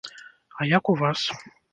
А як у вас?